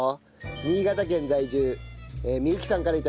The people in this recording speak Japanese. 新潟県在住美由紀さんから頂きました。